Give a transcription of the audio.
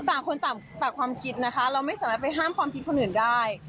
ต่างคนต่างความคิดนะคะเราไม่สามารถไปห้ามความคิดคนอื่นได้